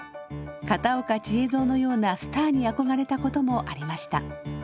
片岡千恵蔵のようなスターに憧れたこともありました。